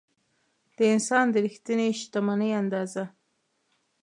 د انسان د رښتینې شتمنۍ اندازه.